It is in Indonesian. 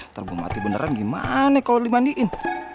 ntar gue mati beneran gimana kalau dimandiin